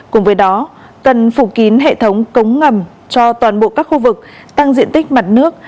cùng với đó cần phủ kín hệ thống cống ngầm cho toàn bộ các khu vực tăng diện tích mặt nước